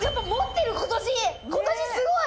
今年すごい。